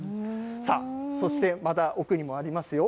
さあ、そしてまだ奥にもありますよ。